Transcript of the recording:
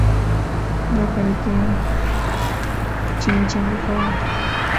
বেকারিতে চিমিচাঙ্গা খাওয়া